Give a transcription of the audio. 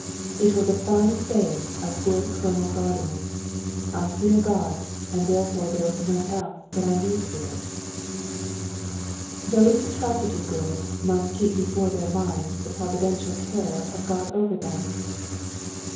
It was a fine saying of good Colonel Gardiner's, " I fear God, and therefore there is nono else that I need fear/' 104 BZPOSITOBT THOUaHTS. Those who try to do good mtut keep be/are their minds the providential care of God over them.